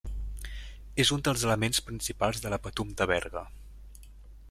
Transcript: És un dels elements principals de la Patum de Berga.